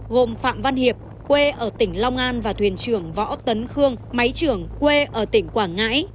gồm phạm văn hiệp quê ở tỉnh long an và thuyền trưởng võ tấn khương máy trưởng quê ở tỉnh quảng ngãi